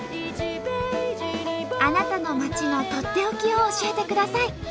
あなたの町のとっておきを教えてください。